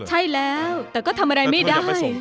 ใช่แล้วแต่ก็ทำอะไรไม่ได้